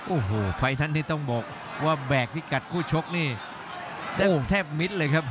โอ้โหใครนั้นต้องบอกว่าแบกพี่กัดคู่ชกนี่แทบมิดเลยครับ